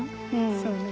そうね。